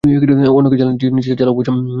অন্যকে জ্বালিয়ে নিজের জ্বালা উপশম করবার জন্যে।